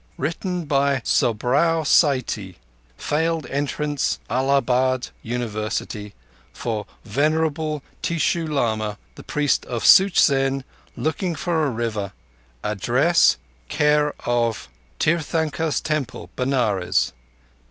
Written by Sobrao Satai, Failed Entrance Allahabad University, for Venerable Teshoo Lama the priest of Such zen looking for a River, address care of Tirthankars' Temple, Benares.